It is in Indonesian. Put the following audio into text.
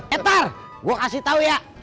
etar gue kasih tau ya